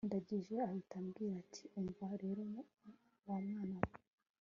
ndangije ahita ambwira ati umva rero wamwana we